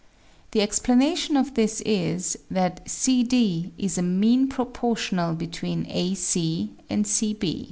The explanation of this is that CD is a mean proportional between AC and CB.